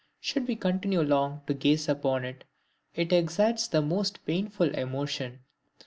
Should we continue long to gaze upon it, it excites the most painful emotion.